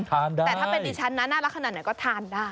ทานได้แต่ถ้าเป็นดิฉันนะน่ารักขนาดไหนก็ทานได้